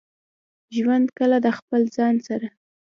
ژوند کله د خپل ځان سره.